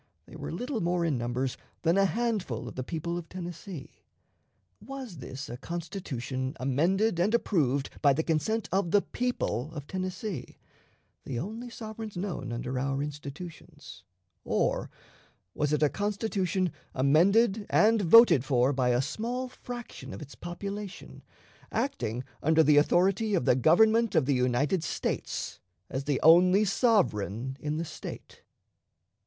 They were little more in numbers than a handful of the people of Tennessee. Was this a Constitution amended and approved by the consent of the people of Tennessee, the only sovereigns known under our institutions, or was it a Constitution amended and voted for by a small fraction of its population acting under the authority of the Government of the United Stales, as the only sovereign in the State?